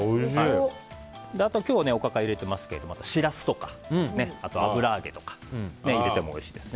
今日はおかかを入れていますがシラスとか、あと油揚げとかを入れてもおいしいですね。